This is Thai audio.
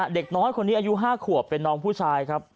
เด็กน้อยคนนี้อายุ๕ขวบเป็นน้องผู้ชายครับ